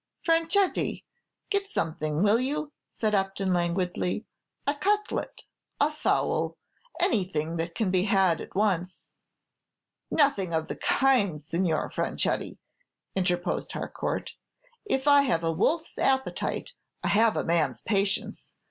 "Franchetti, get something, will you?" said Upton, languidly, "a cutlet, a fowl; anything that can be had at once." "Nothing of the kind, Signor Franchetti," interposed Harcourt; "if I have a wolfs appetite, I have a man's patience.